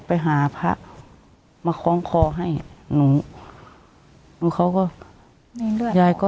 ไปหาพระมาคล้องคอให้หนูหนูเขาก็มีเลือดยายก็